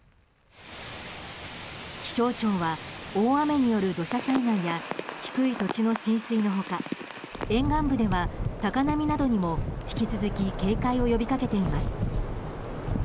気象庁は大雨による土砂災害や低い土地の浸水の他沿岸部では高波などにも引き続き警戒を呼びかけています。